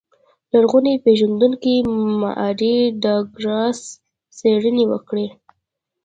لرغون پېژندونکو ماري ډاګلاس څېړنې وکړې.